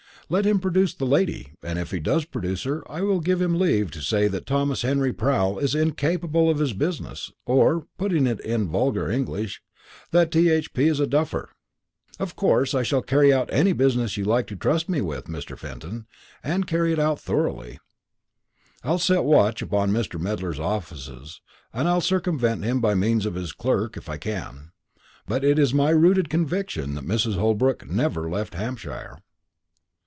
Let him produce the lady; and if he does produce her, I give him leave to say that Thomas Henry Proul is incapable of his business; or, putting it in vulgar English, that T.H.P. is a duffer. Of course I shall carry out any business you like to trust me with, Mr. Fenton, and carry it out thoroughly. I'll set a watch upon Mr. Medler's offices, and I'll circumvent him by means of his clerk, if I can; but it's my rooted conviction that Mrs. Holbrook never left Hampshire."